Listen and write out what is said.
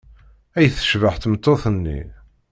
Ay tecbeḥ tmeṭṭut-nni!